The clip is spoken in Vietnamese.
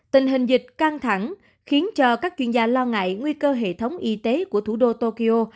tình hình dịch căng thẳng khiến cho các chuyên gia lo ngại nguy cơ hệ thống y tế của thủ đô tokyo